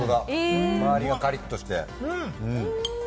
周りがカリっとして。